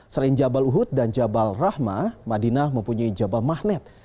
selain jabal uhud dan jabal rahmah madinah mempunyai jabal mahnet